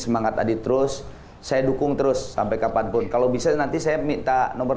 semangat adit terus saya dukung terus sampai kapanpun kalau bisa nanti saya minta nomor